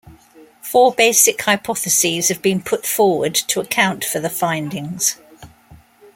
Four basic hypotheses have been put forward to account for the findings.